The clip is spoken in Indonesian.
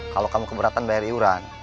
kalau kamu keberatan bayar iuran